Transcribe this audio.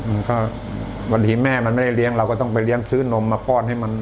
บางทีแม่มันไม่ได้เลี้ยงเราก็ต้องไปเลี้ยงซื้อนมมาป้อนให้มัน